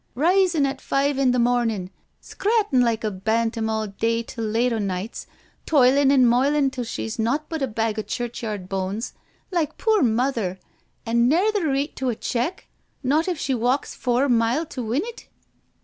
Rising at five in th' morn, scrattin' like a bantam all day till late o' nights— toilin' an' moilin' till she's naught but a bag o* churchyard bones, like poor Mother, and never the reet to a check,, not if she walks four mile to win it?"